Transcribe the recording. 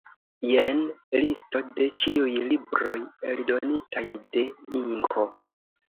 Jen listo de ĉiuj libroj eldonitaj de Inko.